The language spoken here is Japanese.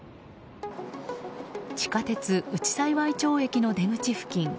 地下鉄内幸町駅の出口付近